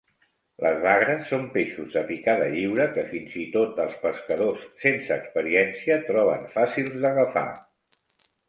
Les bagres són peixos de picada lliure que fins i tot els pescadors sense experiència troben fàcils d'agafar.